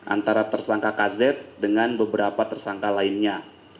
antara tersangka kz dengan beberapa tersangka lainnya